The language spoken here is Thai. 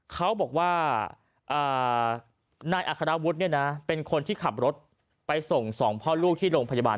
เขาบอกว่านายอัครวุฒิเป็นคนที่ขับรถไปส่งสองพ่อลูกที่โรงพยาบาล